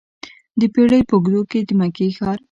د پیړیو په اوږدو کې د مکې ښار.